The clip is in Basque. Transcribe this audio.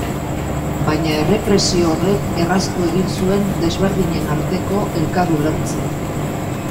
Baina errepresio horrek erraztu egin zuen desberdinen arteko elkar ulertzea.